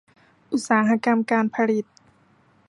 อุตสาหกรรมการผลิต